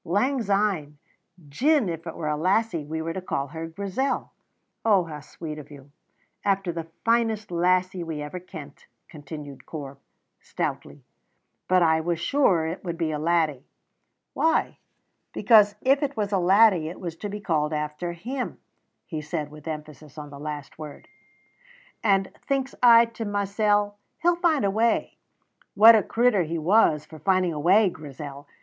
"Lang syne. Gin it were a lassie we were to call her Grizel " "Oh, how sweet of you!" "After the finest lassie we ever kent," continued Corp, stoutly. "But I was sure it would be a laddie." "Why?" "Because if it was a laddie it was to be called after Him," he said, with emphasis on the last word; "and thinks I to mysel', 'He'll find a way.' What a crittur he was for finding a way, Grizel!